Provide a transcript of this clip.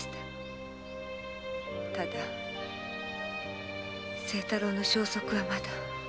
ただ清太郎の消息はまだ。